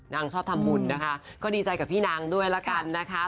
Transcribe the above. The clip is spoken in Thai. ชอบทำบุญนะคะก็ดีใจกับพี่นางด้วยละกันนะคะ